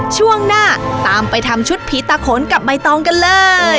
ช่วงหน้าตามไปทำชุดผีตาโขนกับใบตองกันเลย